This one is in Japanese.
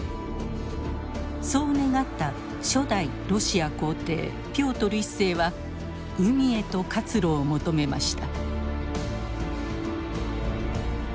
そう願った初代ロシア皇帝ピョートル１世は海へと活路を求めました。